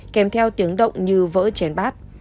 kèm theo tiếng động như vỡ chén bát